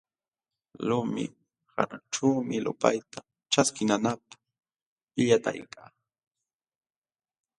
Lumi hananćhuumi lupayta ćhaskinanapq pillatayka.